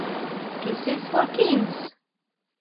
Kisses for Kings